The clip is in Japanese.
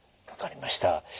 分かりました。